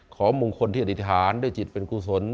ของมงคลที่อธิษฐานด้วยจิตเป็นกุศล